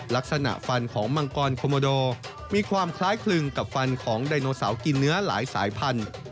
ลักษณะฟันของมังกรโคโมโดมีความคล้ายคลึงกับฟันของไดโนเสาร์กินเนื้อหลายสายพันธุ์